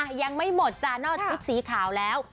อ่ะยังไม่หมดจ้านอกจากอีกสีขาวแล้ว